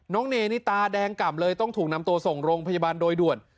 เนนี่ตาแดงก่ำเลยต้องถูกนำตัวส่งโรงพยาบาลโดยด่วน